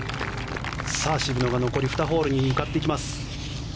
渋野が残り２ホールに向かっていきます。